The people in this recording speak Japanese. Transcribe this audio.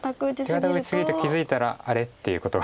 手堅く打ち過ぎると気付いたら「あれ？」っていうことが。